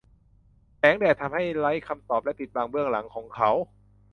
แสงแดดทำให้ไร้คำตอบและปิดบังเบื้องหลังของเขา